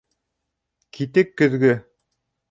Китек көҙгө.